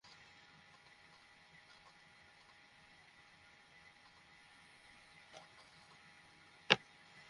ব্যাকআপের জন্য সংকেত পাঠাবো!